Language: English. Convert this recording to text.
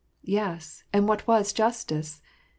Yes, and what was justice